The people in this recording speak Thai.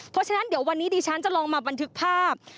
เพราะฉะนั้นเดี๋ยววันนี้ดิฉันจะลองมาบันทึกภาพ